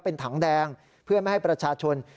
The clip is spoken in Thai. เป็นถังแดงเพื่อไม่ให้ประชาชน